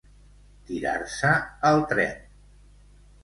Tirar-se al tren.